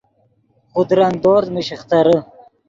خودرنگ دورز من شیخترے